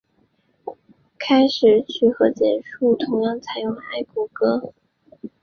开始曲和结束曲同样采用了爱国歌。